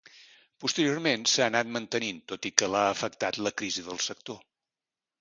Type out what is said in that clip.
Posteriorment s'ha anat mantenint tot i que l'ha afectat la crisi del sector.